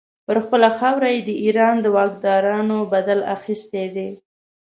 پر خپله خاوره یې د ایران د واکدارانو بدل اخیستی دی.